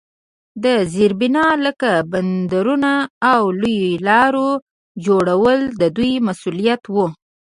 د زیربنا لکه بندرونو او لویو لارو جوړول د دوی مسوولیت وو.